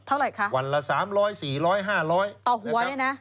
เท่าไหร่คะวันละสามร้อยสี่ร้อยห้าร้อยต่อหัวเนี่ยนะ